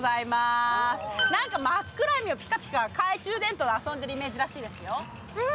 真っ暗闇をピカピカ懐中電灯で遊んでいるイメージらしいですよ。